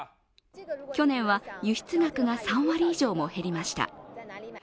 去年は輸出額が３割以上も減りました。